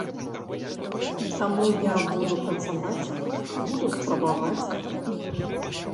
Таму я буду працаваць, буду спрабаваць.